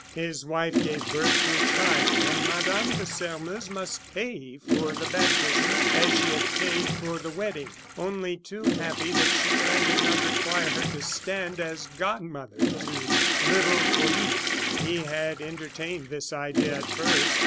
His wife gave birth to a child, and Mme. de Sairmeuse must pay for the baptism as she had paid for the wedding, only too happy that Chupin did not require her to stand as godmother to little Polyte. He had entertained this idea at first.